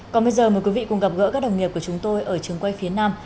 còn bây giờ mời quý vị cùng gặp gỡ các đồng nghiệp của chúng tôi ở trường quay phía nam